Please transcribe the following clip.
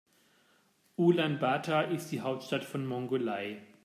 Ulaanbaatar ist die Hauptstadt von Mongolei.